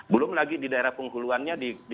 belum lagi di daerah penghuluannya